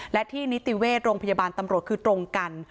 และที่นิติเวชโรงพยาบาลตำรวจคือตรงกัน